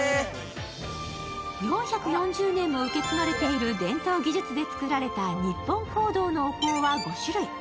４４０年も受け継がれている伝統技術で作られた日本香堂のお香は５種類。